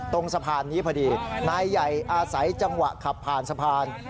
ตรงสะพานนี้พอดีนายใหญ่อาศัยจังหวะขับผ่านสะพาน